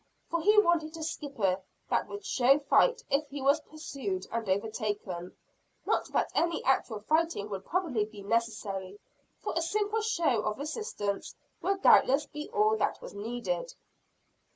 For he wanted a skipper that would show fight if he was pursued and overtaken; not that any actual fighting would probably be necessary, for a simple show of resistance would doubtless be all that was needed.